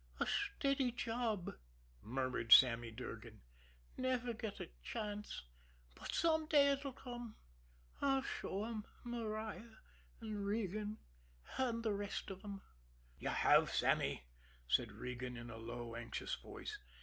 "A steady job," murmured Sammy Durgan. "Never get a chance. But some day it'll come. I'll show 'em, Maria, and Regan, and the rest of 'em!" "You have, Sammy," said Regan, in a low, anxious voice.